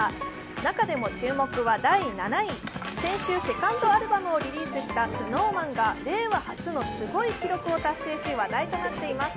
中でも注目は第７位、先週セカンドアルバムをリリースしたＳｎｏｗＭａｎが令和初のすごい達成し話題となっています。